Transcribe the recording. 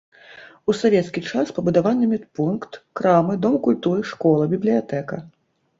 У савецкі час пабудаваны медпункт, крамы, дом культуры, школа, бібліятэка.